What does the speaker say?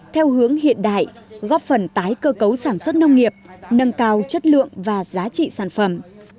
theo hướng hiện đại góp phần tái cơ cấu sản xuất nông nghiệp nâng cao chất lượng và giá trị sản phẩm